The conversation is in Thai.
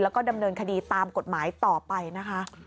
แล้วก็ดำเนินคดีตามกฎหมายต่อไปนะคะ